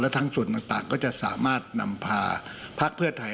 ทั้งส่วนต่างก็จะสามารถนำพาพักเพื่อไทย